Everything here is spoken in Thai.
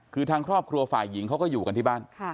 คือทางครอบครัวฝ่ายหญิงเขาก็อยู่กันที่บ้าน